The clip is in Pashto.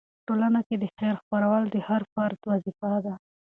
په ټولنه کې د خیر خپرول د هر فرد وظیفه ده.